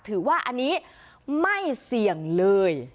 ถือว่าอันนี้ไม่เสี่ยงเลย